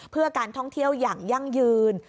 เพื่อการท่องเที่ยวอย่างยั่งยืน